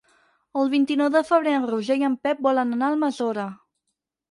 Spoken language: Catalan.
El vint-i-nou de febrer en Roger i en Pep volen anar a Almassora.